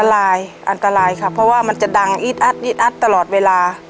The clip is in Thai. อันตรายอันตรายค่ะเพราะว่ามันจะดังอีดอัดอีดอัดตลอดเวลา